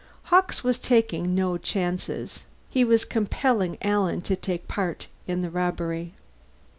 Hawkes was taking no chances. He was compelling Alan to take part in the robbery.